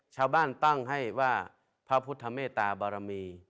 ชาวบ้านตั้งให้ว่าพระพุทธเมตตาบารมี